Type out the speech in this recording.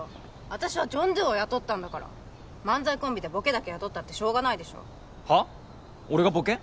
私はジョン・ドゥを雇ったんだから漫才コンビでボケだけ雇ったってしょうがないでしょはっ？俺がボケ？